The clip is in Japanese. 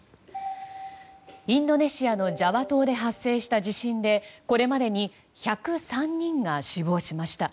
インドネシアのジャワ島で発生した地震でこれまでに１０３人が死亡しました。